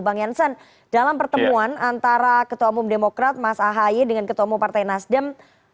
bang janssen dalam pertemuan antara ketua mumpartai demokrat mas ahi dengan ketua mumpartai nasdem